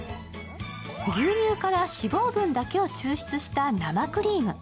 牛乳から脂肪分だけを抽出した生クリーム。